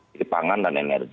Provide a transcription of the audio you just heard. jadi pangan dan energi